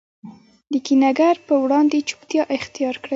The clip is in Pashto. د کینه ګر په وړاندي چوپتیا اختیارکړئ!